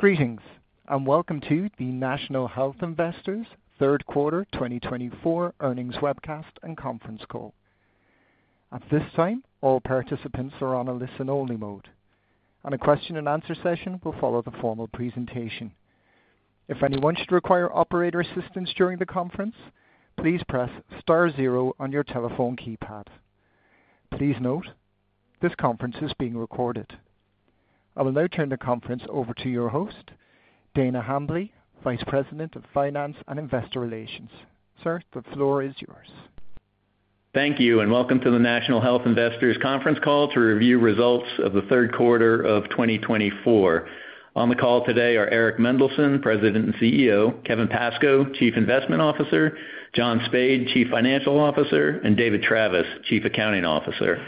Greetings, and welcome to the National Health Investors Third Quarter 2024 Earnings Webcast and Conference Call. At this time, all participants are on a listen-only mode, and a question-and-answer session will follow the formal presentation. If anyone should require operator assistance during the conference, please press star zero on your telephone keypad. Please note, this conference is being recorded. I will now turn the conference over to your host, Dana Hambly, Vice President of Finance and Investor Relations. Sir, the floor is yours. Thank you, and welcome to the National Health Investors conference call to review results of the third quarter of 2024. On the call today are Eric Mendelsohn, President and CEO, Kevin Pascoe, Chief Investment Officer, John Spaid, Chief Financial Officer, and David Travis, Chief Accounting Officer.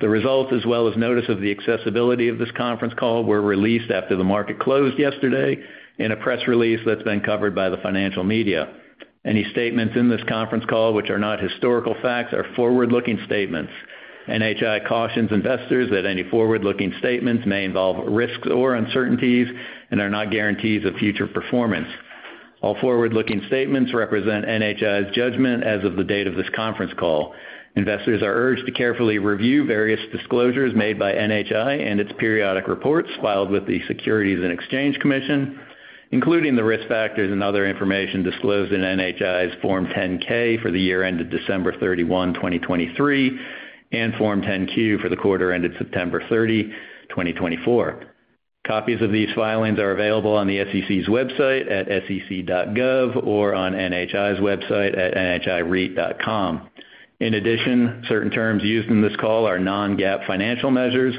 The results, as well as notice of the accessibility of this conference call, were released after the market closed yesterday in a press release that's been covered by the financial media. Any statements in this conference call which are not historical facts are forward-looking statements. NHI cautions investors that any forward-looking statements may involve risks or uncertainties and are not guarantees of future performance. All forward-looking statements represent NHI's judgment as of the date of this conference call. Investors are urged to carefully review various disclosures made by NHI and its periodic reports filed with the Securities and Exchange Commission, including the risk factors and other information disclosed in NHI's Form 10-K for the year ended December 31, 2023, and Form 10-Q for the quarter ended September 30, 2024. Copies of these filings are available on the SEC's website at sec.gov or on NHI's website at nhireit.com. In addition, certain terms used in this call are non-GAAP financial measures,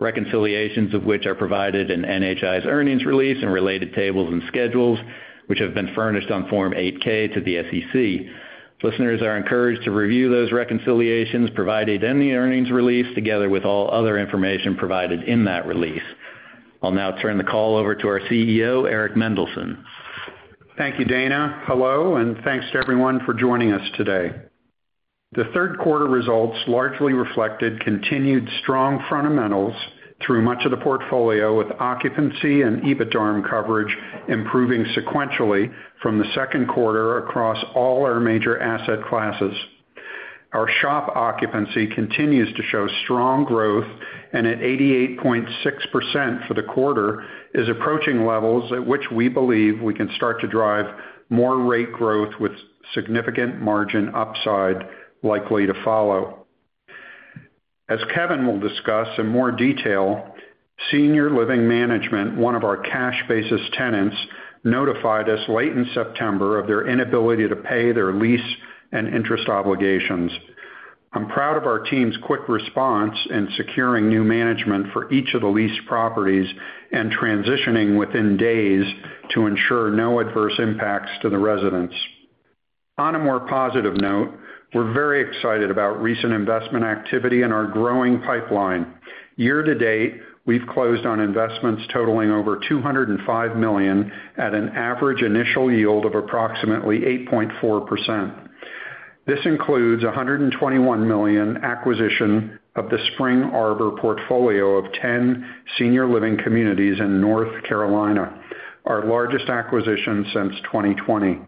reconciliations of which are provided in NHI's earnings release and related tables and schedules which have been furnished on Form 8-K to the SEC. Listeners are encouraged to review those reconciliations provided in the earnings release together with all other information provided in that release. I'll now turn the call over to our CEO, Eric Mendelsohn. Thank you, Dana. Hello, and thanks to everyone for joining us today. The third quarter results largely reflected continued strong fundamentals through much of the portfolio, with occupancy and EBITDA coverage improving sequentially from the second quarter across all our major asset classes. Our SHOP occupancy continues to show strong growth, and at 88.6% for the quarter, it is approaching levels at which we believe we can start to drive more rate growth with significant margin upside likely to follow. As Kevin will discuss in more detail, Senior Living Management, one of our cash basis tenants, notified us late in September of their inability to pay their lease and interest obligations. I'm proud of our team's quick response in securing new management for each of the leased properties and transitioning within days to ensure no adverse impacts to the residents. On a more positive note, we're very excited about recent investment activity in our growing pipeline. Year to date, we've closed on investments totaling over $205 million at an average initial yield of approximately 8.4%. This includes $121 million acquisition of the Spring Arbor portfolio of 10 senior living communities in North Carolina, our largest acquisition since 2020.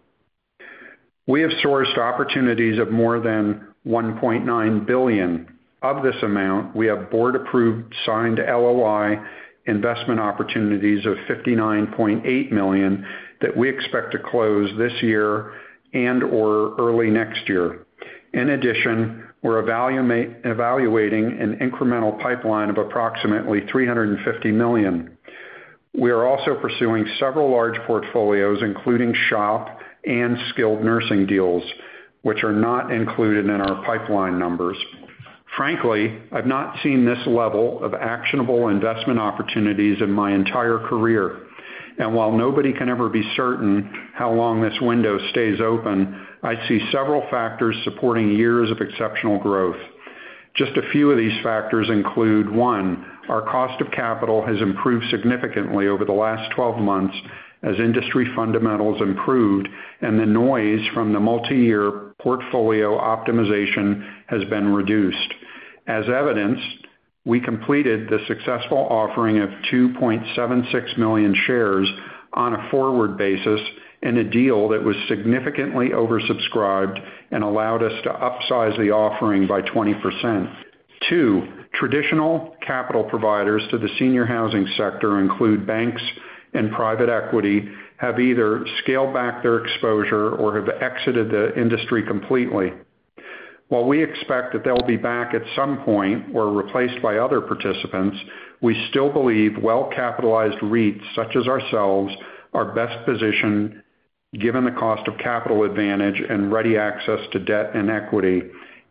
We have sourced opportunities of more than $1.9 billion. Of this amount, we have board-approved, signed LOI investment opportunities of $59.8 million that we expect to close this year and/or early next year. In addition, we're evaluating an incremental pipeline of approximately $350 million. We are also pursuing several large portfolios, including SHOP and skilled nursing deals, which are not included in our pipeline numbers. Frankly, I've not seen this level of actionable investment opportunities in my entire career. While nobody can ever be certain how long this window stays open, I see several factors supporting years of exceptional growth. Just a few of these factors include: one, our cost of capital has improved significantly over the last 12 months as industry fundamentals improved, and the noise from the multi-year portfolio optimization has been reduced. As evidenced, we completed the successful offering of 2.76 million shares on a forward basis in a deal that was significantly oversubscribed and allowed us to upsize the offering by 20%. Two, traditional capital providers to the senior housing sector, including banks and private equity, have either scaled back their exposure or have exited the industry completely. While we expect that they'll be back at some point or replaced by other participants, we still believe well-capitalized REITs such as ourselves are best positioned given the cost of capital advantage and ready access to debt and equity,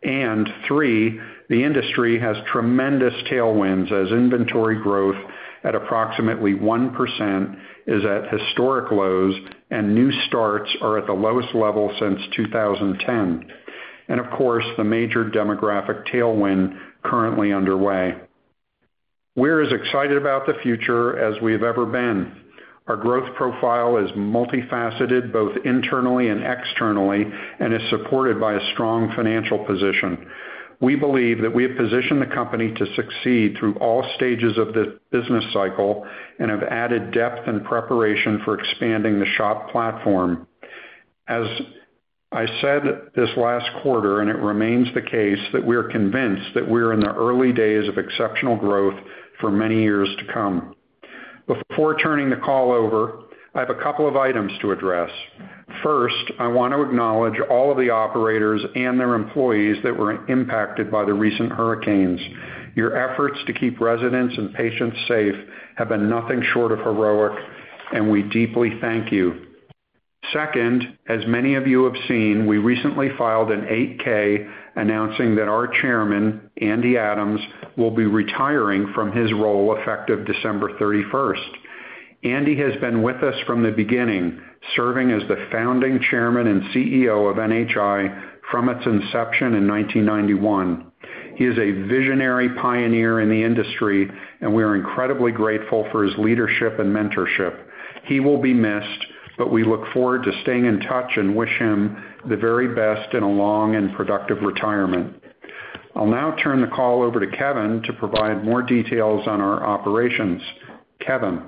and three, the industry has tremendous tailwinds as inventory growth at approximately 1% is at historic lows and new starts are at the lowest level since 2010, and of course, the major demographic tailwind currently underway. We're as excited about the future as we've ever been. Our growth profile is multifaceted both internally and externally and is supported by a strong financial position. We believe that we have positioned the company to succeed through all stages of the business cycle and have added depth and preparation for expanding the SHOP platform. As I said this last quarter, and it remains the case, that we are convinced that we are in the early days of exceptional growth for many years to come. Before turning the call over, I have a couple of items to address. First, I want to acknowledge all of the operators and their employees that were impacted by the recent hurricanes. Your efforts to keep residents and patients safe have been nothing short of heroic, and we deeply thank you. Second, as many of you have seen, we recently filed an 8-K announcing that our chairman, Andy Adams, will be retiring from his role effective December 31st. Andy has been with us from the beginning, serving as the founding chairman and CEO of NHI from its inception in 1991. He is a visionary pioneer in the industry, and we are incredibly grateful for his leadership and mentorship. He will be missed, but we look forward to staying in touch and wish him the very best in a long and productive retirement. I'll now turn the call over to Kevin to provide more details on our operations. Kevin.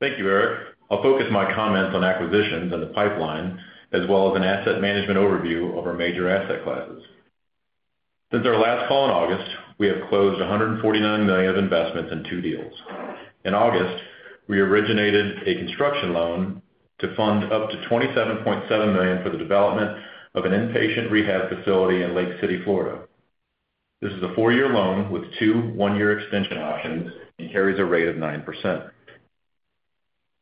Thank you, Eric. I'll focus my comments on acquisitions and the pipeline, as well as an asset management overview of our major asset classes. Since our last call in August, we have closed $149 million of investments in two deals. In August, we originated a construction loan to fund up to $27.7 million for the development of an inpatient rehab facility in Lake City, Florida. This is a four-year loan with two one-year extension options and carries a rate of 9%.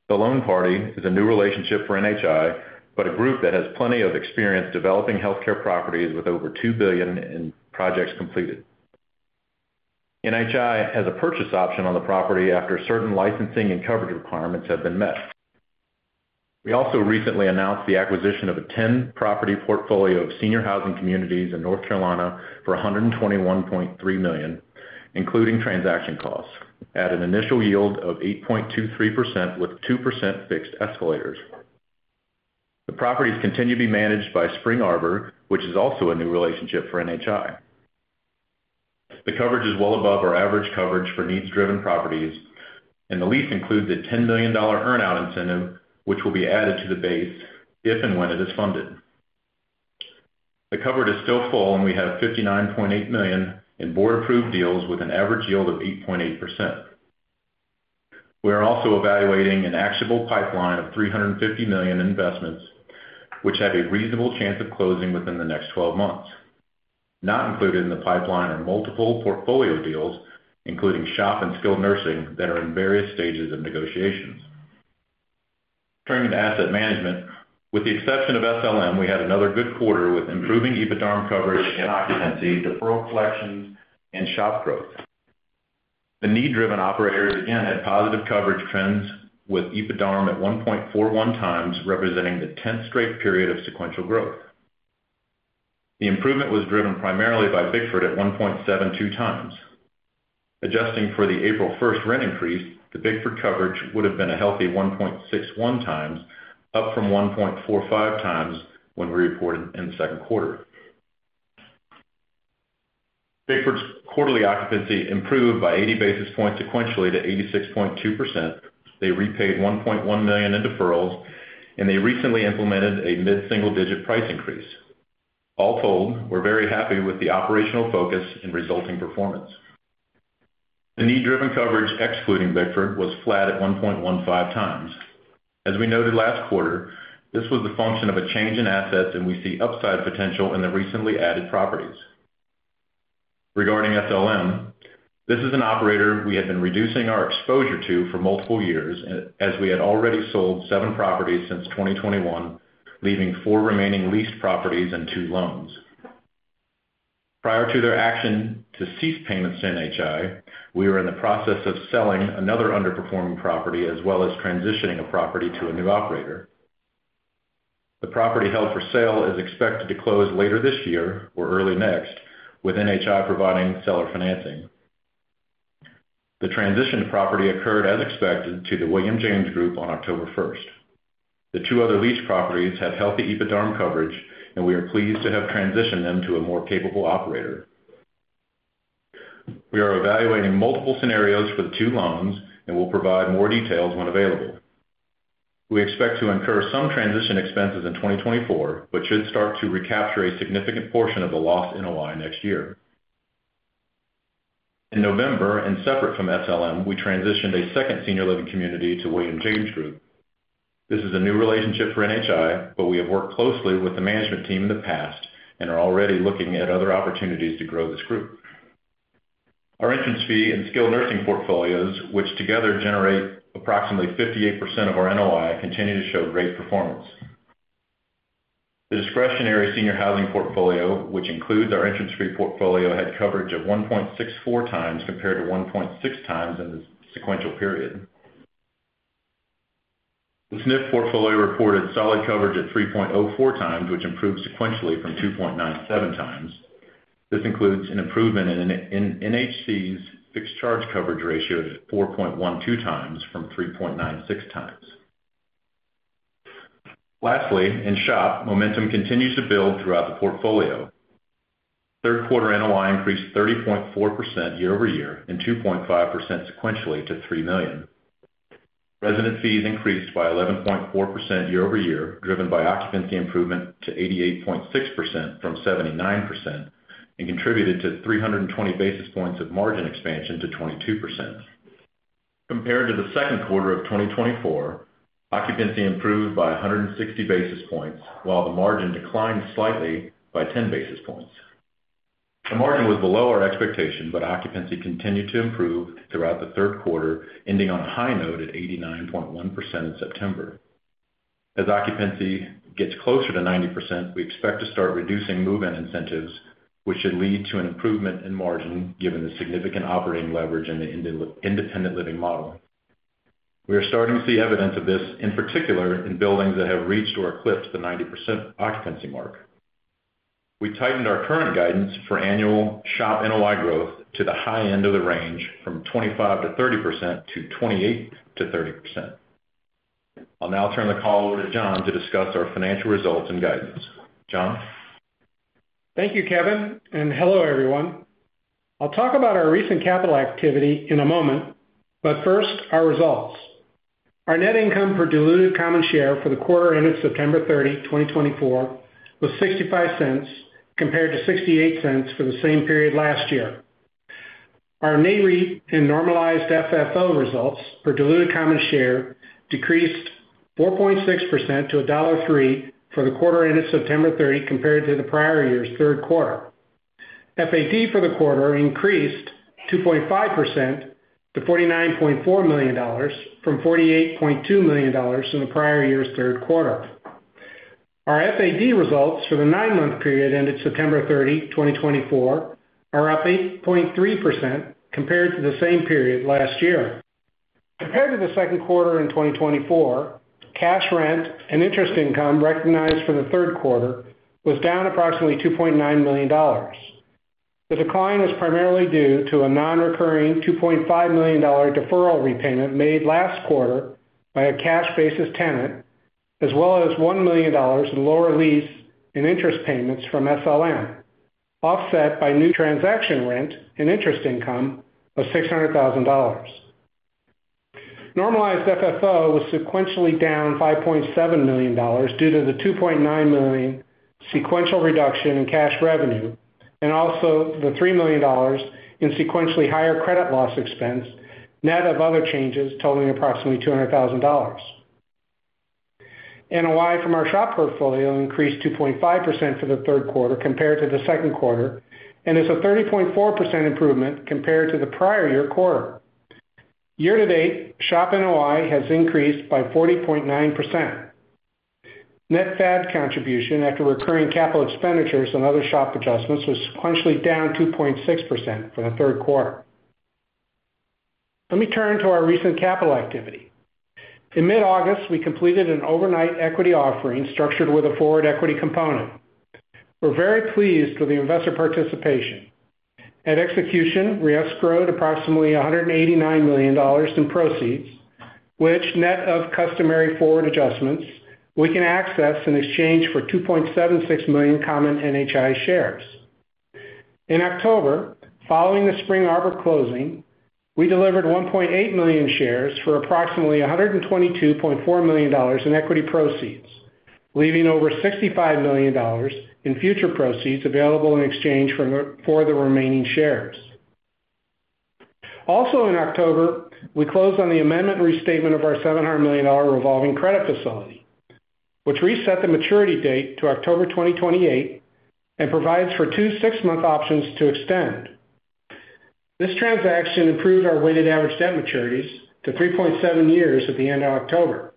The loan party is a new relationship for NHI, but a group that has plenty of experience developing healthcare properties with over $2 billion in projects completed. NHI has a purchase option on the property after certain licensing and coverage requirements have been met. We also recently announced the acquisition of a 10-property portfolio of senior housing communities in North Carolina for $121.3 million, including transaction costs, at an initial yield of 8.23% with 2% fixed escalators. The properties continue to be managed by Spring Arbor, which is also a new relationship for NHI. The coverage is well above our average coverage for needs-driven properties, and the lease includes a $10 million earnout incentive, which will be added to the base if and when it is funded. The coverage is still full, and we have $59.8 million in board-approved deals with an average yield of 8.8%. We are also evaluating an actionable pipeline of $350 million in investments, which have a reasonable chance of closing within the next 12 months. Not included in the pipeline are multiple portfolio deals, including SHOP and skilled nursing that are in various stages of negotiations. Turning to asset management, with the exception of SLM, we had another good quarter with improving EBITDA coverage and occupancy, deferral collections, and SHOP growth. The need-driven operators again had positive coverage trends, with EBITDA at 1.41 times representing the 10th straight period of sequential growth. The improvement was driven primarily by Bickford at 1.72 times. Adjusting for the April 1st rent increase, the Bickford coverage would have been a healthy 1.61 times, up from 1.45 times when we reported in the second quarter. Bickford's quarterly occupancy improved by 80 basis points sequentially to 86.2%. They repaid $1.1 million in deferrals, and they recently implemented a mid-single-digit price increase. All told, we're very happy with the operational focus and resulting performance. The need-driven coverage, excluding Bickford, was flat at 1.15 times. As we noted last quarter, this was the function of a change in assets, and we see upside potential in the recently added properties. Regarding SLM, this is an operator we had been reducing our exposure to for multiple years as we had already sold seven properties since 2021, leaving four remaining leased properties and two loans. Prior to their action to cease payments to NHI, we were in the process of selling another underperforming property as well as transitioning a property to a new operator. The property held for sale is expected to close later this year or early next, with NHI providing seller financing. The transition property occurred, as expected, to The William James Group on October 1st. The two other leased properties have healthy EBITDA coverage, and we are pleased to have transitioned them to a more capable operator. We are evaluating multiple scenarios for the two loans and will provide more details when available. We expect to incur some transition expenses in 2024, but should start to recapture a significant portion of the loss in NOI next year. In November, and separate from SLM, we transitioned a second senior living community to The William James Group. This is a new relationship for NHI, but we have worked closely with the management team in the past and are already looking at other opportunities to grow this group. Our entrance fee and skilled nursing portfolios, which together generate approximately 58% of our NOI, continue to show great performance. The discretionary senior housing portfolio, which includes our entrance fee portfolio, had coverage of 1.64 times compared to 1.6 times in the sequential period. The SNF portfolio reported solid coverage at 3.04 times, which improved sequentially from 2.97 times. This includes an improvement in NHC's fixed charge coverage ratio at 4.12 times from 3.96 times. Lastly, in SHOP, momentum continues to build throughout the portfolio. Third quarter NOI increased 30.4% year over year and 2.5% sequentially to $3 million. Resident fees increased by 11.4% year over year, driven by occupancy improvement to 88.6% from 79% and contributed to 320 basis points of margin expansion to 22%. Compared to the second quarter of 2024, occupancy improved by 160 basis points, while the margin declined slightly by 10 basis points. The margin was below our expectation, but occupancy continued to improve throughout the third quarter, ending on a high note at 89.1% in September. As occupancy gets closer to 90%, we expect to start reducing move-in incentives, which should lead to an improvement in margin given the significant operating leverage in the independent living model. We are starting to see evidence of this, in particular, in buildings that have reached or eclipsed the 90% occupancy mark. We tightened our current guidance for annual SHOP NOI growth to the high end of the range from 25%-30% to 28%-30%. I'll now turn the call over to John to discuss our financial results and guidance. John. Thank you, Kevin, and hello, everyone. I'll talk about our recent capital activity in a moment, but first, our results. Our net income per diluted common share for the quarter ended September 30, 2024, was $0.65 compared to $0.68 for the same period last year. Our NAREIT and normalized FFO results per diluted common share decreased 4.6% to $1.03 for the quarter ended September 30 compared to the prior year's third quarter. FAD for the quarter increased 2.5% to $49.4 million from $48.2 million in the prior year's third quarter. Our FAD results for the nine-month period ended September 30, 2024, are up 8.3% compared to the same period last year. Compared to the second quarter in 2024, cash rent and interest income recognized for the third quarter was down approximately $2.9 million. The decline is primarily due to a non-recurring $2.5 million deferral repayment made last quarter by a cash basis tenant, as well as $1 million in lower lease and interest payments from SLM, offset by new transaction rent and interest income of $600,000. Normalized FFO was sequentially down $5.7 million due to the $2.9 million sequential reduction in cash revenue and also the $3 million in sequentially higher credit loss expense, net of other changes totaling approximately $200,000. NOI from our SHOP portfolio increased 2.5% for the third quarter compared to the second quarter and is a 30.4% improvement compared to the prior year quarter. Year to date, SHOP NOI has increased by 40.9%. Net FAD contribution after recurring capital expenditures and other SHOP adjustments was sequentially down 2.6% for the third quarter. Let me turn to our recent capital activity. In mid-August, we completed an overnight equity offering structured with a forward equity component. We're very pleased with the investor participation. At execution, we escrowed approximately $189 million in proceeds, which, net of customary forward adjustments, we can access and exchange for 2.76 million common NHI shares. In October, following the Spring Arbor closing, we delivered 1.8 million shares for approximately $122.4 million in equity proceeds, leaving over $65 million in future proceeds available in exchange for the remaining shares. Also, in October, we closed on the amendment restatement of our $700 million revolving credit facility, which reset the maturity date to October 2028 and provides for two six-month options to extend. This transaction improved our weighted average debt maturities to 3.7 years at the end of October.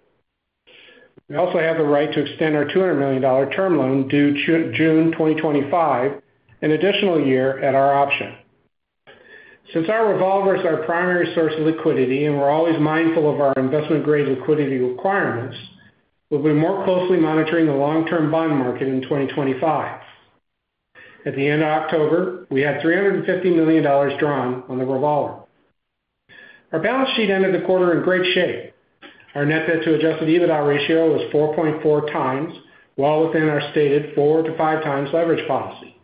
We also have the right to extend our $200 million term loan due June 2025, an additional year at our option. Since our revolver is our primary source of liquidity and we're always mindful of our investment-grade liquidity requirements, we'll be more closely monitoring the long-term bond market in 2025. At the end of October, we had $350 million drawn on the revolver. Our balance sheet ended the quarter in great shape. Our net debt to adjusted EBITDA ratio was 4.4 times, well within our stated four to five times leverage policy.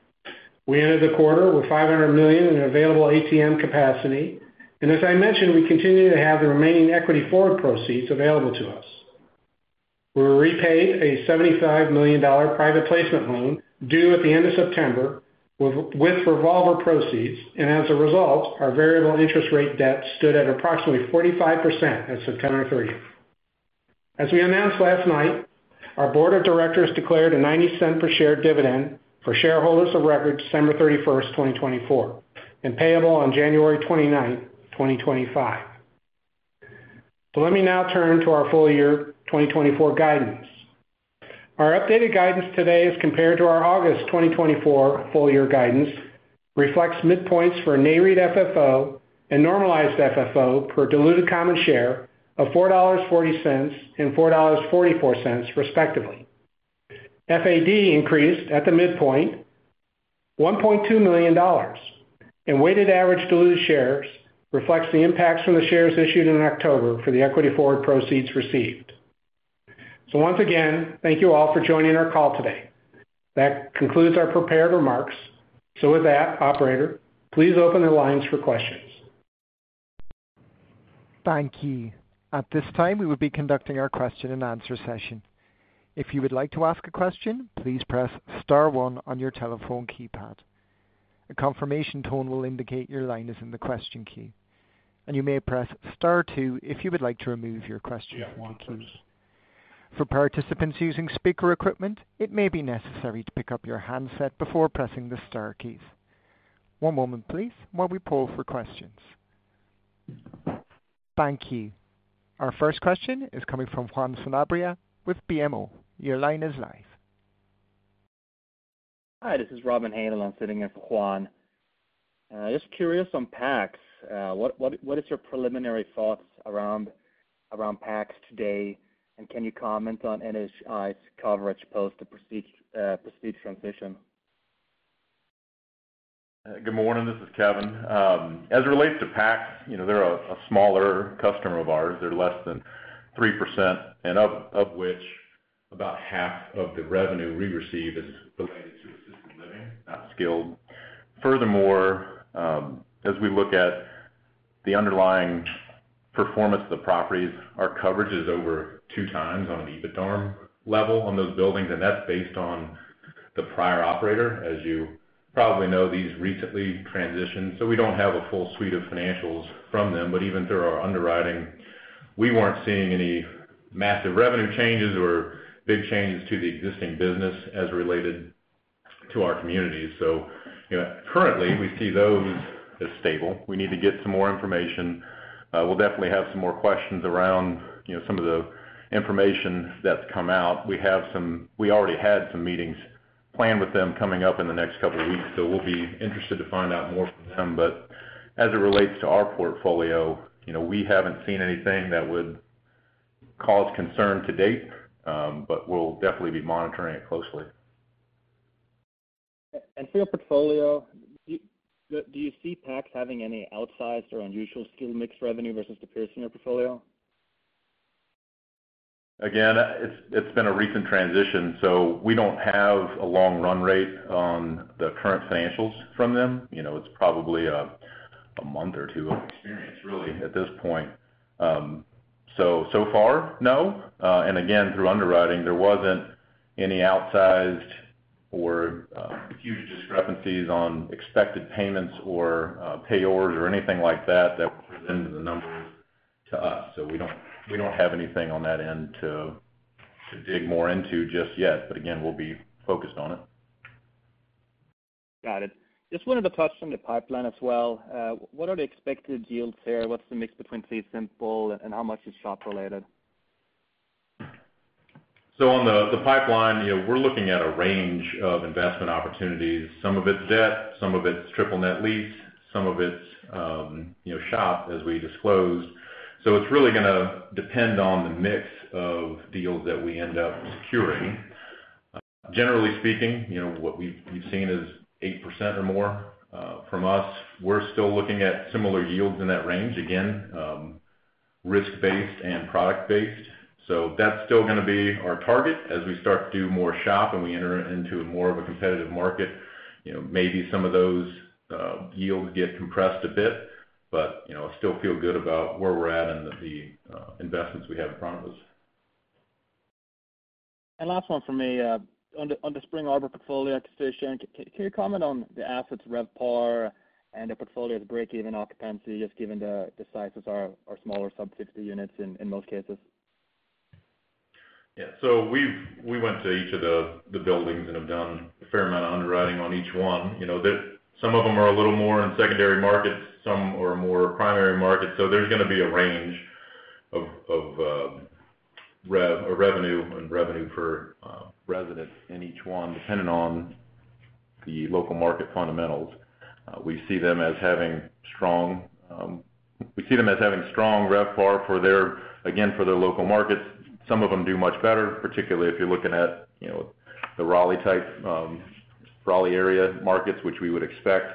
We ended the quarter with $500 million in available ATM capacity. And as I mentioned, we continue to have the remaining equity forward proceeds available to us. We repaid a $75 million private placement loan due at the end of September with revolver proceeds, and as a result, our variable interest rate debt stood at approximately 45% at September 30th. As we announced last night, our board of directors declared a $0.90 per share dividend for shareholders of record December 31st, 2024, and payable on January 29th, 2025. So let me now turn to our full year 2024 guidance. Our updated guidance today is compared to our August 2024 full year guidance, reflects midpoints for NAREIT FFO and normalized FFO per diluted common share of $4.40 and $4.44, respectively. FAD increased at the midpoint $1.2 million, and weighted average diluted shares reflects the impacts from the shares issued in October for the equity forward proceeds received. So once again, thank you all for joining our call today. That concludes our prepared remarks. So with that, operator, please open the lines for questions. Thank you. At this time, we will be conducting our question and answer session. If you would like to ask a question, please press star one on your telephone keypad. A confirmation tone will indicate your line is in the question queue, and you may press star two if you would like to remove your question keys. For participants using speaker equipment, it may be necessary to pick up your handset before pressing the Star keys. One moment, please, while we poll for questions. Thank you. Our first question is coming from Juan Sanabria with BMO. Your line is live. Hi, this is Robin Hanel. I'm sitting here for Juan. Just curious on PACS. What is your preliminary thoughts around PACS today, and can you comment on NHI's coverage post the proceeds transition? Good morning. This is Kevin. As it relates to PACS, they're a smaller customer of ours. They're less than 3%, and of which about half of the revenue we receive is related to assisted living, not skilled. Furthermore, as we look at the underlying performance of the properties, our coverage is over two times on an EBITDA level on those buildings, and that's based on the prior operator. As you probably know, these recently transitioned, so we don't have a full suite of financials from them. But even through our underwriting, we weren't seeing any massive revenue changes or big changes to the existing business as related to our community. So currently, we see those as stable. We need to get some more information. We'll definitely have some more questions around some of the information that's come out. We already had some meetings planned with them coming up in the next couple of weeks, so we'll be interested to find out more from them. But as it relates to our portfolio, we haven't seen anything that would cause concern to date, but we'll definitely be monitoring it closely. For your portfolio, do you see PACS having any outsized or unusual skilled mix revenue versus the peer senior portfolio? Again, it's been a recent transition, so we don't have a long run rate on the current financials from them. It's probably a month or two of experience, really, at this point. So far, no. And again, through underwriting, there wasn't any outsized or huge discrepancies on expected payments or payors or anything like that that was presented in the numbers to us. So we don't have anything on that end to dig more into just yet, but again, we'll be focused on it. Got it. Just wanted to touch on the pipeline as well. What are the expected yields here? What's the mix between CSIMPLE and how much is SHOP related? On the pipeline, we're looking at a range of investment opportunities. Some of it's debt, some of it's triple-net lease, some of it's SHOP, as we disclosed. So it's really going to depend on the mix of deals that we end up securing. Generally speaking, what we've seen is 8% or more from us. We're still looking at similar yields in that range, again, risk-based and product-based. So that's still going to be our target. As we start to do more SHOP and we enter into more of a competitive market, maybe some of those yields get compressed a bit, but I still feel good about where we're at and the investments we have in front of us. Last one for me. On the Spring Arbor portfolio, I can see a share. Can you comment on the assets, RevPAR, and the portfolio's break-even occupancy just given the size of our smaller sub-50 units in most cases? Yeah. So we went to each of the buildings and have done a fair amount of underwriting on each one. Some of them are a little more in secondary markets. Some are more primary markets. So there's going to be a range of revenue and revenue per resident in each one, depending on the local market fundamentals. We see them as having strong RevPAR, again, for their local markets. Some of them do much better, particularly if you're looking at the Raleigh-type area markets, which we would expect.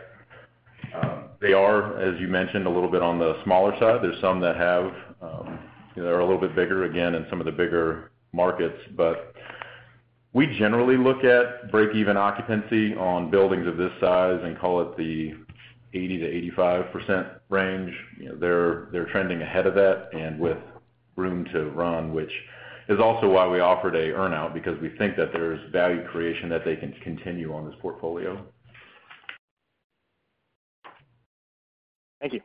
They are, as you mentioned, a little bit on the smaller side. There's some that are a little bit bigger, again, in some of the bigger markets. But we generally look at break-even occupancy on buildings of this size and call it the 80%-85% range. They're trending ahead of that and with room to run, which is also why we offered an earn-out, because we think that there's value creation that they can continue on this portfolio. Thank you.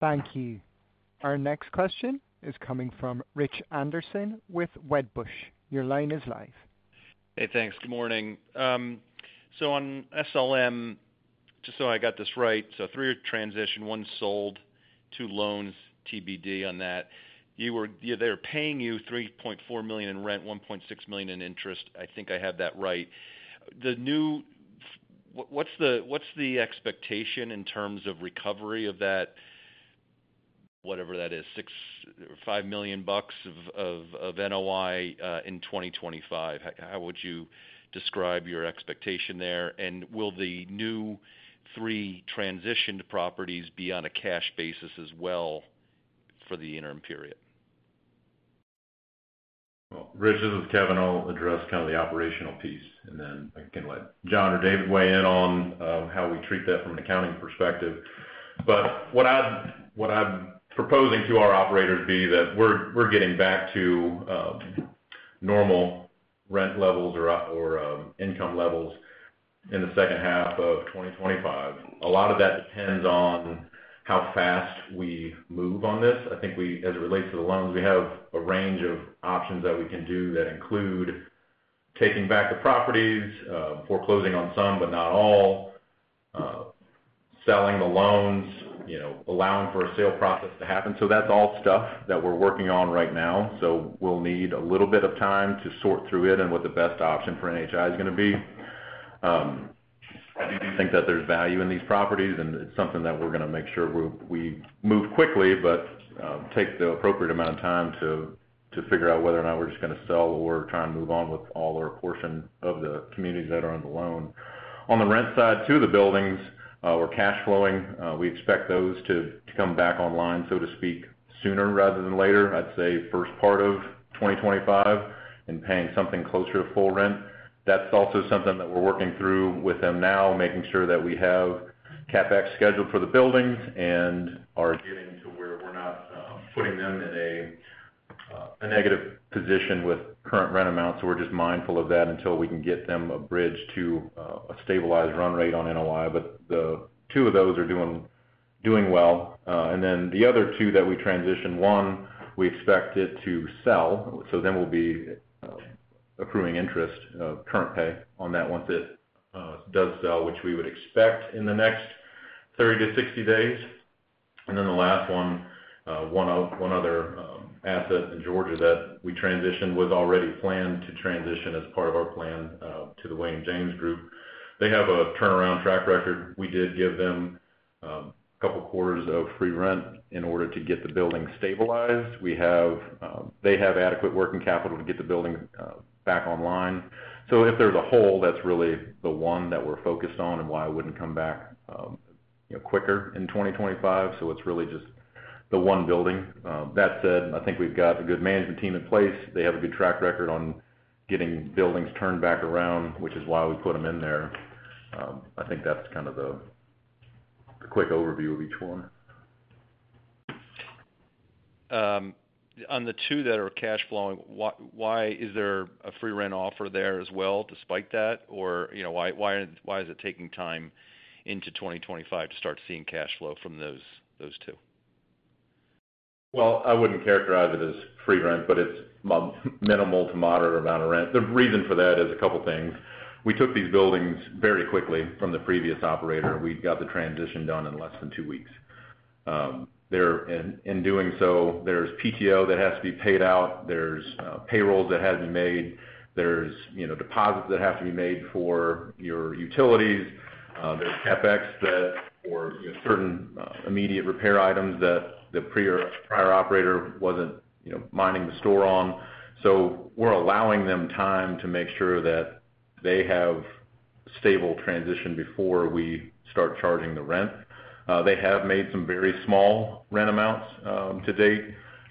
Thank you. Our next question is coming from Rich Anderson with Wedbush. Your line is live. Hey, thanks. Good morning. So on SLM, just so I got this right, so three-year transition, one sold, two loans, TBD on that. They're paying you $3.4 million in rent, $1.6 million in interest. I think I have that right. What's the expectation in terms of recovery of that, whatever that is, $5 million of NOI in 2025? How would you describe your expectation there? And will the new three transitioned properties be on a cash basis as well for the interim period? Rich, this is Kevin. I'll address kind of the operational piece, and then I can let John or David weigh in on how we treat that from an accounting perspective. What I'm proposing to our operators is that we're getting back to normal rent levels or income levels in the second half of 2025. A lot of that depends on how fast we move on this. I think as it relates to the loans, we have a range of options that we can do that include taking back the properties, foreclosing on some but not all, selling the loans, allowing for a sale process to happen. That's all stuff that we're working on right now. We'll need a little bit of time to sort through it and what the best option for NHI is going to be. I do think that there's value in these properties, and it's something that we're going to make sure we move quickly but take the appropriate amount of time to figure out whether or not we're just going to sell or try and move on with all or a portion of the communities that are on the loan. On the rent side to the buildings or cash flowing, we expect those to come back online, so to speak, sooner rather than later. I'd say first part of 2025 and paying something closer to full rent. That's also something that we're working through with them now, making sure that we have CapEx scheduled for the buildings and are getting to where we're not putting them in a negative position with current rent amounts. So we're just mindful of that until we can get them a bridge to a stabilized run rate on NOI. But the two of those are doing well. And then the other two that we transition, one, we expect it to sell. So then we'll be accruing interest, current pay on that once it does sell, which we would expect in the next 30-60 days. And then the last one, one other asset in Georgia that we transitioned was already planned to transition as part of our plan to the William James Group. They have a turnaround track record. We did give them a couple of quarters of free rent in order to get the building stabilized. They have adequate working capital to get the building back online. So if there's a hole, that's really the one that we're focused on and why it wouldn't come back quicker in 2025. So it's really just the one building. That said, I think we've got a good management team in place. They have a good track record on getting buildings turned back around, which is why we put them in there. I think that's kind of the quick overview of each one. On the two that are cash flowing, why is there a free rent offer there as well despite that? Or why is it taking time into 2025 to start seeing cash flow from those two? I wouldn't characterize it as free rent, but it's a minimal to moderate amount of rent. The reason for that is a couple of things. We took these buildings very quickly from the previous operator. We got the transition done in less than two weeks. In doing so, there's PTO that has to be paid out. There's payrolls that had to be made. There's deposits that have to be made for your utilities. There's CapEx or certain immediate repair items that the prior operator wasn't minding the store on. So we're allowing them time to make sure that they have stable transition before we start charging the rent. They have made some very small rent amounts to date.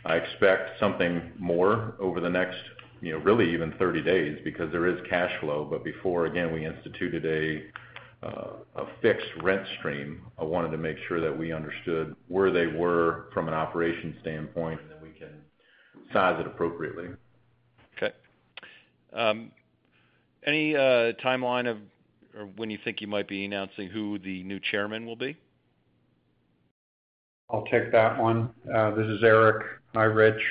I expect something more over the next really even 30 days because there is cash flow. But before, again, we instituted a fixed rent stream, I wanted to make sure that we understood where they were from an operation standpoint, and then we can size it appropriately. Okay. Any timeline of when you think you might be announcing who the new chairman will be? I'll take that one. This is Eric. Hi, Rich.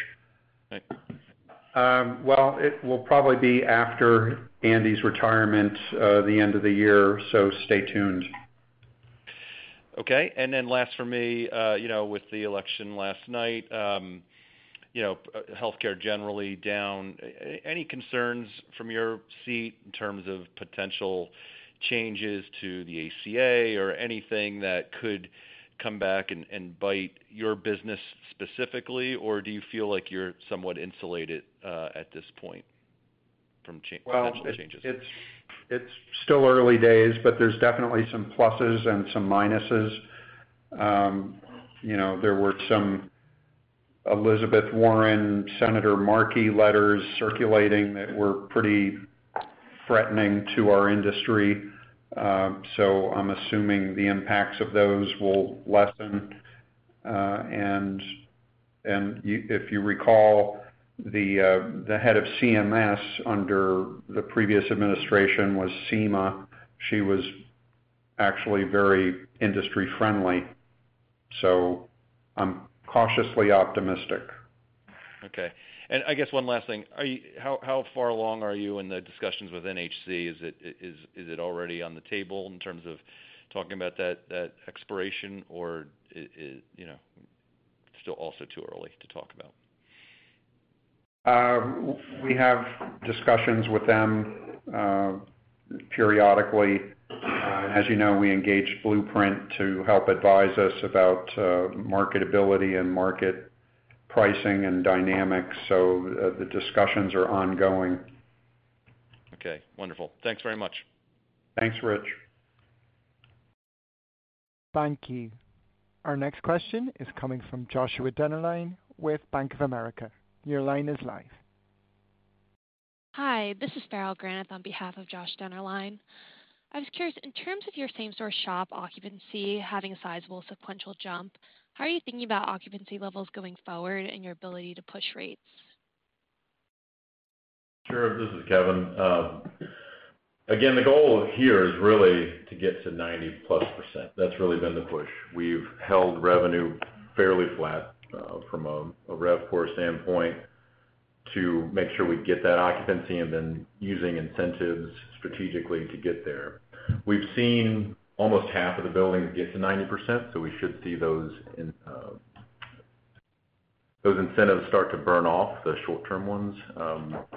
Hi. It will probably be after Andy's retirement, the end of the year. Stay tuned. Okay. And then last for me, with the election last night, healthcare generally down. Any concerns from your seat in terms of potential changes to the ACA or anything that could come back and bite your business specifically? Or do you feel like you're somewhat insulated at this point from potential changes? It's still early days, but there's definitely some pluses and some minuses. There were some Elizabeth Warren and Senator Ed Markey letters circulating that were pretty threatening to our industry. I'm assuming the impacts of those will lessen. If you recall, the head of CMS under the previous administration was Seema. She was actually very industry-friendly. I'm cautiously optimistic. Okay, and I guess one last thing. How far along are you in the discussions with NHC? Is it already on the table in terms of talking about that expiration, or is it still also too early to talk about? We have discussions with them periodically. As you know, we engaged Blueprint to help advise us about marketability and market pricing and dynamics. So the discussions are ongoing. Okay. Wonderful. Thanks very much. Thanks, Rich. Thank you. Our next question is coming from Joshua Denerline with Bank of America. Your line is live. Hi. This is Farrell Granath on behalf of Joshua Denerline. I was curious, in terms of your same-store SHOP occupancy having a sizable sequential jump, how are you thinking about occupancy levels going forward and your ability to push rates? Sure. This is Kevin. Again, the goal here is really to get to 90+%. That's really been the push. We've held revenue fairly flat from a RevPAR standpoint to make sure we get that occupancy and then using incentives strategically to get there. We've seen almost half of the buildings get to 90%, so we should see those incentives start to burn off, the short-term ones,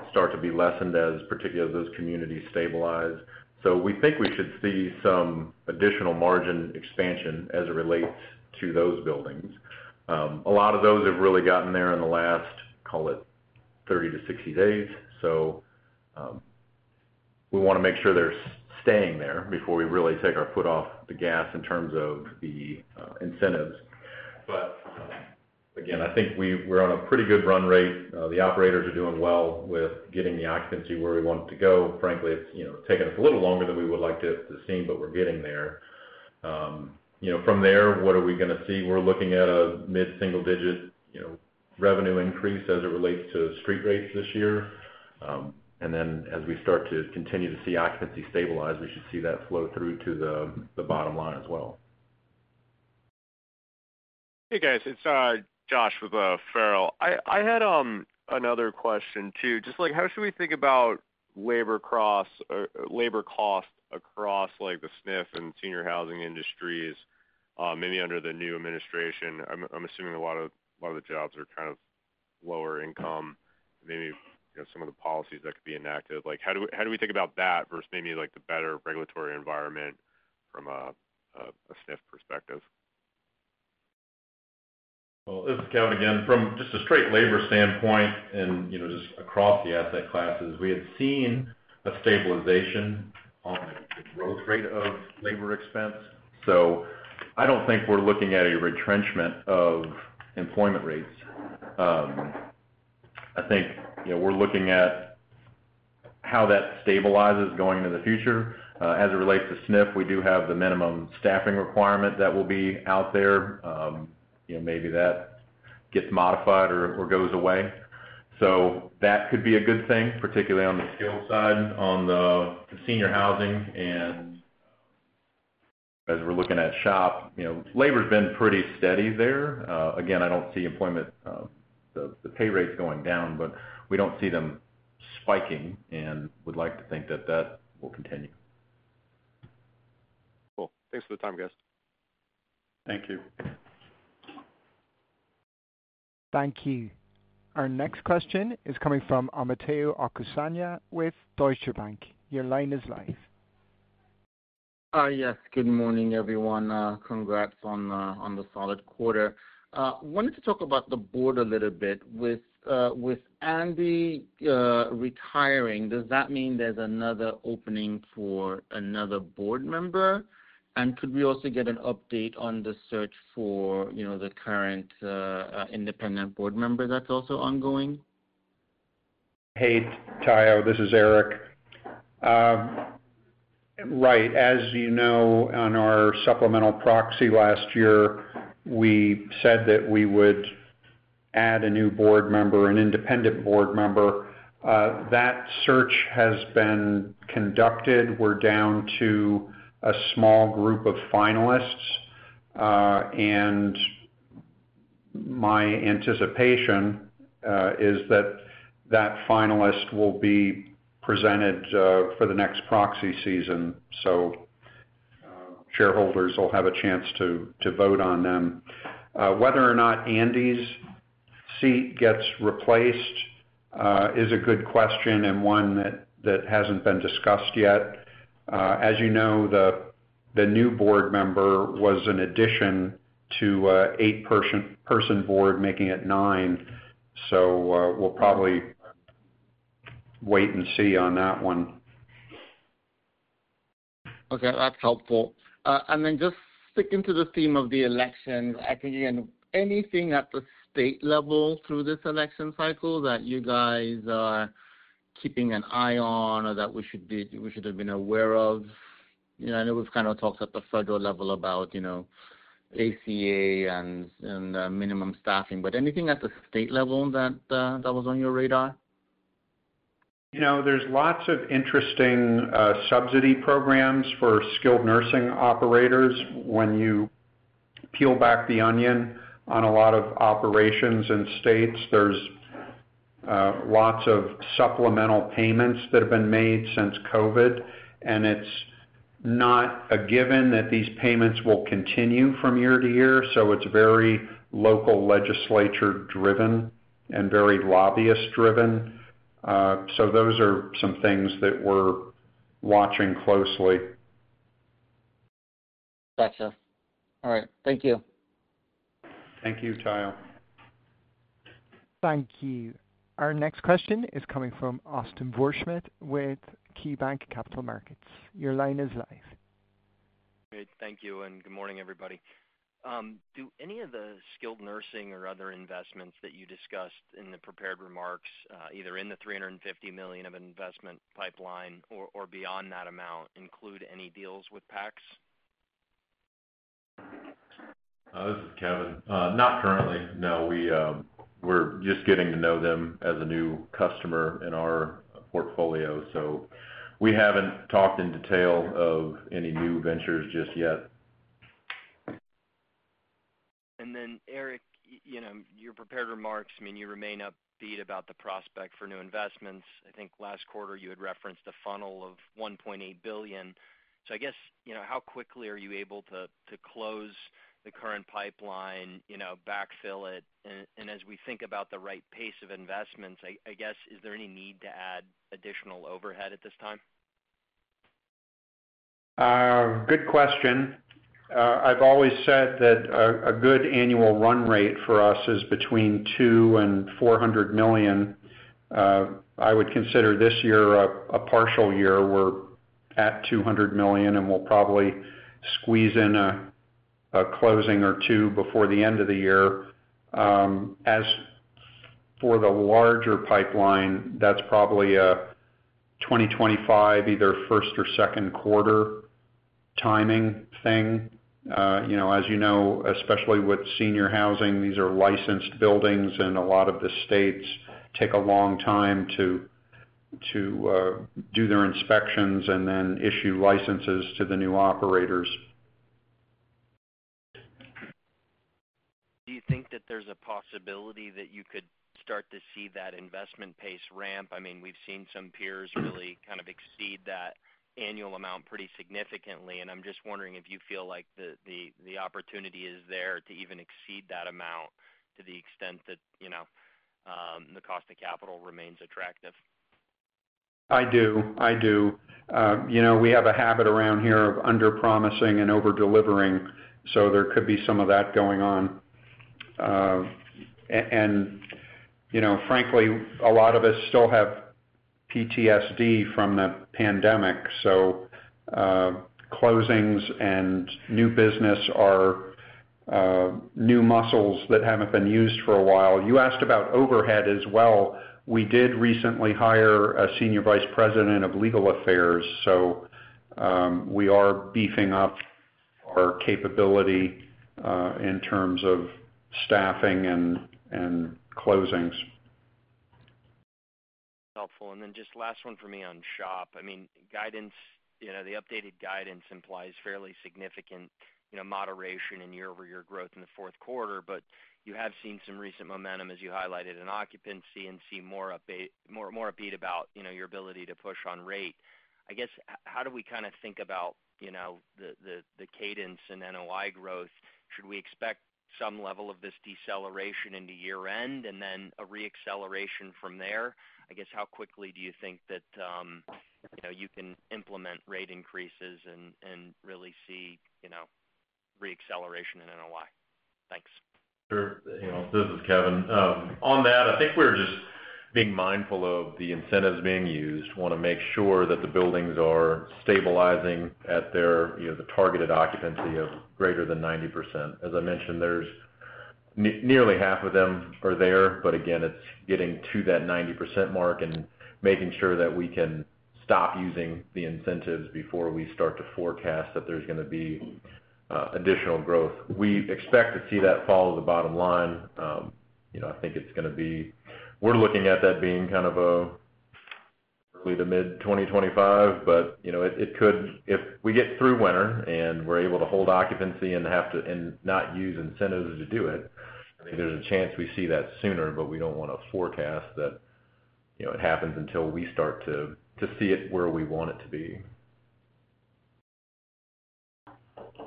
start to be lessened as particularly as those communities stabilize. So we think we should see some additional margin expansion as it relates to those buildings. A lot of those have really gotten there in the last, call it, 30-60 days. So we want to make sure they're staying there before we really take our foot off the gas in terms of the incentives. But again, I think we're on a pretty good run rate. The operators are doing well with getting the occupancy where we want it to go. Frankly, it's taken us a little longer than we would like to see, but we're getting there. From there, what are we going to see? We're looking at a mid-single-digit revenue increase as it relates to street rates this year. And then as we start to continue to see occupancy stabilize, we should see that flow through to the bottom line as well. Hey, guys. It's Josh with Farrell. I had another question too. Just how should we think about labor costs across the SNF and senior housing industries, maybe under the new administration? I'm assuming a lot of the jobs are kind of lower income, maybe some of the policies that could be enacted. How do we think about that versus maybe the better regulatory environment from a SNF perspective? This is Kevin again. From just a straight labor standpoint and just across the asset classes, we had seen a stabilization on the growth rate of labor expense. So I don't think we're looking at a retrenchment of employment rates. I think we're looking at how that stabilizes going into the future. As it relates to SNF, we do have the minimum staffing requirement that will be out there. Maybe that gets modified or goes away. So that could be a good thing, particularly on the skilled side, on the senior housing. And as we're looking at SHOP, labor's been pretty steady there. Again, I don't see the pay rates going down, but we don't see them spiking and would like to think that that will continue. Cool. Thanks for the time, guys. Thank you. Thank you. Our next question is coming from Omotayo Okusanya with Deutsche Bank. Your line is live. Hi, yes. Good morning, everyone. Congrats on the solid quarter. I wanted to talk about the board a little bit. With Andy retiring, does that mean there's another opening for another board member? And could we also get an update on the search for the current independent board member that's also ongoing? Hey, Tayo. This is Eric. Right. As you know, on our supplemental proxy last year, we said that we would add a new board member, an independent board member. That search has been conducted. We're down to a small group of finalists, and my anticipation is that that finalist will be presented for the next proxy season, so shareholders will have a chance to vote on them. Whether or not Andy's seat gets replaced is a good question and one that hasn't been discussed yet. As you know, the new board member was an addition to an eight-person board, making it nine, so we'll probably wait and see on that one. Okay. That's helpful, and then just sticking to the theme of the election, I think, again, anything at the state level through this election cycle that you guys are keeping an eye on or that we should have been aware of? I know we've kind of talked at the federal level about ACA and minimum staffing, but anything at the state level that was on your radar? There's lots of interesting subsidy programs for skilled nursing operators. When you peel back the onion on a lot of operations in states, there's lots of supplemental payments that have been made since COVID. And it's not a given that these payments will continue from year to year. So it's very local legislature-driven and very lobbyist-driven. So those are some things that we're watching closely. Gotcha. All right. Thank you. Thank you, Tayo. Thank you. Our next question is coming from Austin Wurschmidt with KeyBanc Capital Markets. Your line is live. Great. Thank you, and good morning, everybody. Do any of the skilled nursing or other investments that you discussed in the prepared remarks, either in the $350 million of an investment pipeline or beyond that amount, include any deals with PACS? This is Kevin. Not currently, no. We're just getting to know them as a new customer in our portfolio. So we haven't talked in detail of any new ventures just yet. And then, Eric, your prepared remarks mean you remain upbeat about the prospect for new investments. I think last quarter, you had referenced a funnel of $1.8 billion. So I guess, how quickly are you able to close the current pipeline, backfill it? And as we think about the right pace of investments, I guess, is there any need to add additional overhead at this time? Good question. I've always said that a good annual run rate for us is between $200 million and $400 million. I would consider this year a partial year. We're at $200 million, and we'll probably squeeze in a closing or two before the end of the year. As for the larger pipeline, that's probably a 2025, either first or second quarter timing thing. As you know, especially with senior housing, these are licensed buildings, and a lot of the states take a long time to do their inspections and then issue licenses to the new operators. Do you think that there's a possibility that you could start to see that investment pace ramp? I mean, we've seen some peers really kind of exceed that annual amount pretty significantly. And I'm just wondering if you feel like the opportunity is there to even exceed that amount to the extent that the cost of capital remains attractive. I do. I do. We have a habit around here of underpromising and overdelivering. So there could be some of that going on. And frankly, a lot of us still have PTSD from the pandemic. So closings and new business are new muscles that haven't been used for a while. You asked about overhead as well. We did recently hire a senior vice president of legal affairs. So we are beefing up our capability in terms of staffing and closings. That's helpful. And then just last one for me on SHOP. I mean, the updated guidance implies fairly significant moderation in year-over-year growth in the fourth quarter, but you have seen some recent momentum, as you highlighted, in occupancy and see more upbeat about your ability to push on rate. I guess, how do we kind of think about the cadence and NOI growth? Should we expect some level of this deceleration into year-end and then a re-acceleration from there? I guess, how quickly do you think that you can implement rate increases and really see re-acceleration in NOI? Thanks. Sure. This is Kevin. On that, I think we're just being mindful of the incentives being used. Want to make sure that the buildings are stabilizing at the targeted occupancy of greater than 90%. As I mentioned, nearly half of them are there, but again, it's getting to that 90% mark and making sure that we can stop using the incentives before we start to forecast that there's going to be additional growth. We expect to see that fall to the bottom line. I think it's going to be we're looking at that being kind of early to mid-2025, but it could if we get through winter and we're able to hold occupancy and not use incentives to do it, I think there's a chance we see that sooner, but we don't want to forecast that it happens until we start to see it where we want it to be. Thanks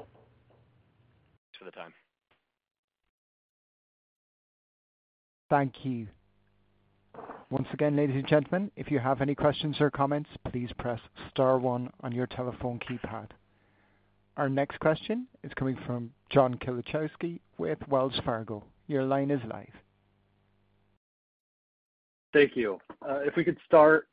for the time. Thank you. Once again, ladies and gentlemen, if you have any questions or comments, please press star one on your telephone keypad. Our next question is coming from John Kilichowski with Wells Fargo. Your line is live. Thank you. If we could start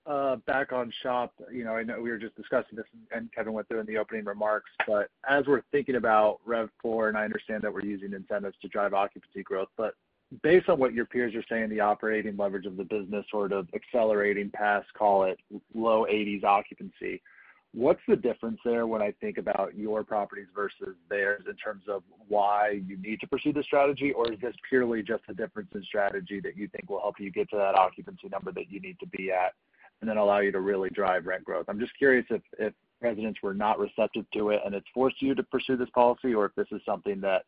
back on SHOP, I know we were just discussing this and Kevin went through in the opening remarks, but as we're thinking about RevPAR, and I understand that we're using incentives to drive occupancy growth, but based on what your peers are saying, the operating leverage of the business sort of accelerating past, call it, low 80s occupancy, what's the difference there when I think about your properties versus theirs in terms of why you need to pursue this strategy, or is this purely just a difference in strategy that you think will help you get to that occupancy number that you need to be at and then allow you to really drive rent growth? I'm just curious if residents were not receptive to it and it's forced you to pursue this policy, or if this is something that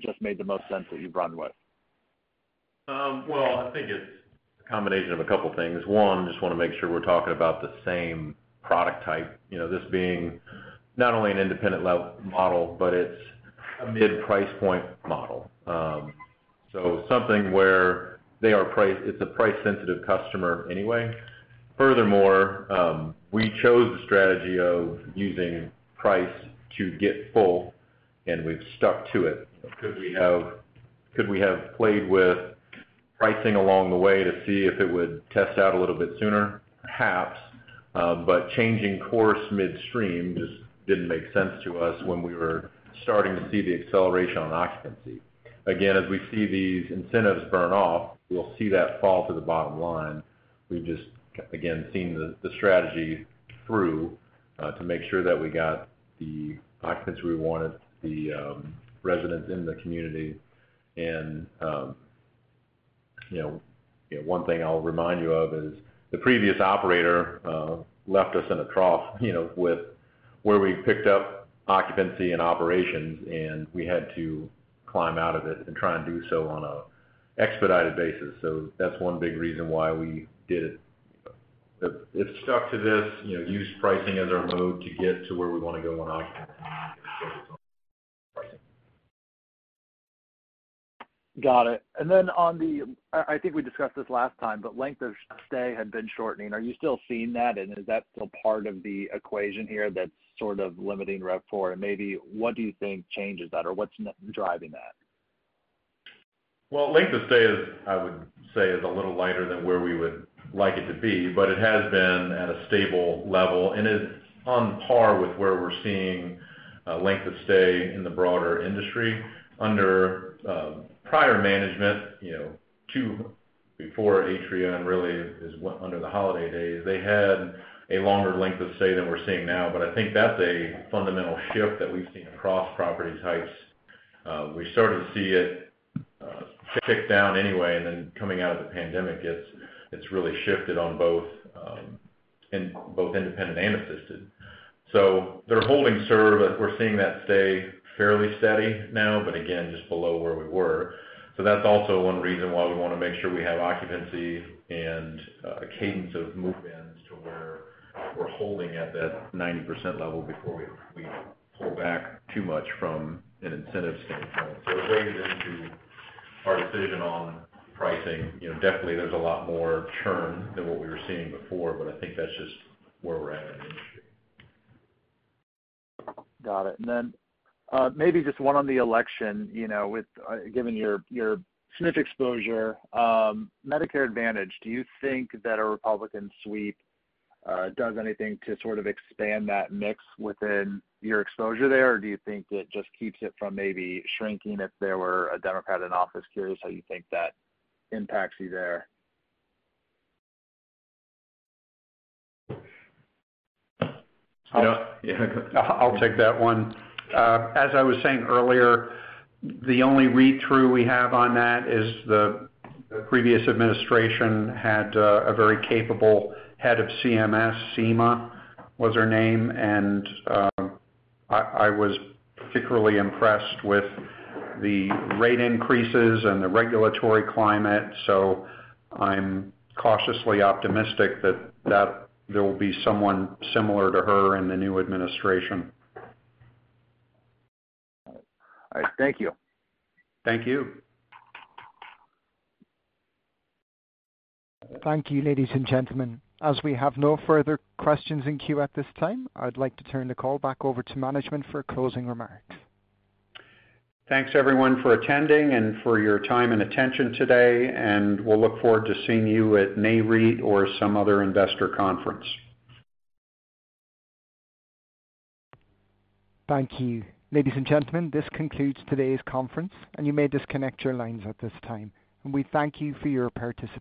just made the most sense that you've run with? I think it's a combination of a couple of things. One, I just want to make sure we're talking about the same product type, this being not only an independent model, but it's a mid-price point model. So something where it's a price-sensitive customer anyway. Furthermore, we chose the strategy of using price to get full, and we've stuck to it. Could we have played with pricing along the way to see if it would test out a little bit sooner? Perhaps. But changing course midstream just didn't make sense to us when we were starting to see the acceleration on occupancy. Again, as we see these incentives burn off, we'll see that fall to the bottom line. We've just, again, seen the strategy through to make sure that we got the occupancy we wanted, the residents in the community. And one thing I'll remind you of is the previous operator left us in a trough with where we picked up occupancy and operations, and we had to climb out of it and try and do so on an expedited basis. So that's one big reason why we did it. If stuck to this, use pricing as our mode to get to where we want to go on occupancy. Got it. And then on the, I think we discussed this last time, but length of stay had been shortening. Are you still seeing that? And is that still part of the equation here that's sort of limiting RevPAR? And maybe what do you think changes that, or what's driving that? Length of stay, I would say, is a little lighter than where we would like it to be, but it has been at a stable level. It's on par with where we're seeing length of stay in the broader industry. Under prior management, before Atria and really under the Holiday's, they had a longer length of stay than we're seeing now, but I think that's a fundamental shift that we've seen across property types. We started to see it tick down anyway, and then coming out of the pandemic, it's really shifted on both independent and assisted. So they're holding steady. We're seeing that stay fairly steady now, but again, just below where we were. So that's also one reason why we want to make sure we have occupancy and a cadence of move-ins to where we're holding at that 90% level before we pull back too much from an incentive standpoint. So it weighs into our decision on pricing. Definitely, there's a lot more churn than what we were seeing before, but I think that's just where we're at in the industry. Got it. And then maybe just one on the election. Given your SNF exposure, Medicare Advantage, do you think that a Republican sweep does anything to sort of expand that mix within your exposure there, or do you think it just keeps it from maybe shrinking if there were a Democrat in office? Curious how you think that impacts you there. Yeah. I'll take that one. As I was saying earlier, the only read-through we have on that is the previous administration had a very capable head of CMS, Seema, was her name. And I was particularly impressed with the rate increases and the regulatory climate. So I'm cautiously optimistic that there will be someone similar to her in the new administration. All right. Thank you. Thank you. Thank you, ladies and gentlemen. As we have no further questions in queue at this time, I'd like to turn the call back over to management for closing remarks. Thanks, everyone, for attending and for your time and attention today. And we'll look forward to seeing you at Nareit or some other investor conference. Thank you. Ladies and gentlemen, this concludes today's conference, and you may disconnect your lines at this time. And we thank you for your participation.